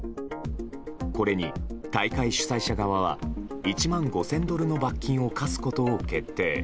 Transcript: これに大会主催者側は１万５０００ドルの罰金を科すことを決定。